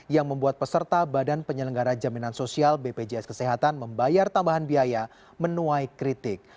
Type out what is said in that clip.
yang membuat peserta badan penyelenggara jaminan sosial bpjs kesehatan membayar tambahan biaya menuai kritik